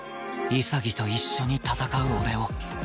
潔と一緒に戦う俺を